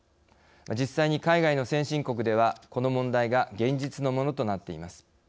実際に海外の先進国ではこの問題が現実のものとなっています。